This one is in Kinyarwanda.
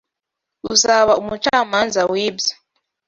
Uzaba umucamanza wibyo.